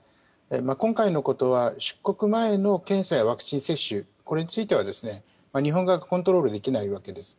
今回のことは出国前の検査やワクチン接種これについては日本側がコントロールできないわけです。